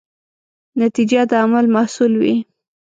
نتیجه د عمل محصول وي.